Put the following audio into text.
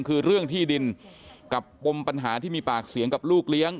คือเรื่องที่ดินกับปมปัญหาที่มีปากเสียงกับลูกเลี้ยง